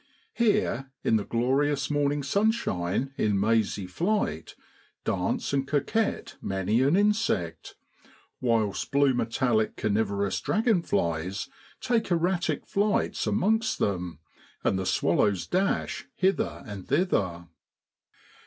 Here in the glorious morning sunshine in mazy flight dance and coquet many an insect, whilst blue metallic carnivorous dragon flies take erratic flights amongst them, and the swallows dash hither and thither.